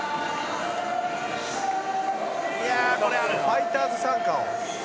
「『ファイターズ讃歌』を」